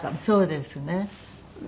そうですね。